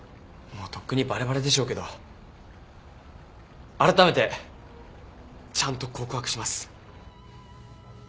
もうとっくにバレバレでしょうけどあらためてちゃんと告白します。